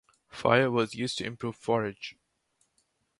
Fire was used to improve forage.